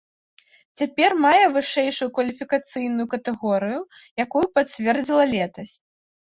Цяпер мае вышэйшую кваліфікацыйную катэгорыю, якую пацвердзіла летась.